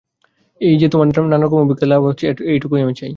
এই যে তোমার নানা রকম অভিজ্ঞতা লাভ হচ্ছে, এইটুকুই আমি চাই।